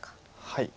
はい。